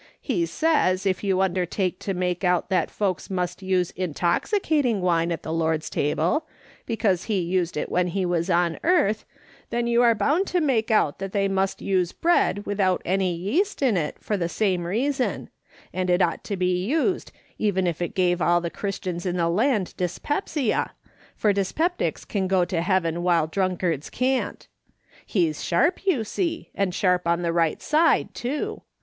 He says if you undertake to make out that folks must use intoxiccUimj wine at the Lord's table, because he used it when he was on earth, then you are bound to make out that they must use bread without any yeast in it, for the same reason; and it ought to be used, even if it gave all the Christians in the land dyspepsia, for dyspeptics can go to heaven while drunkards can't. He's sharp, you see, and sharp on the right side too.